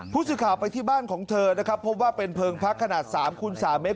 ผู้สื่อข่าวไปที่บ้านของเธอนะครับพบว่าเป็นเพลิงพักขนาด๓คูณ๓เมตร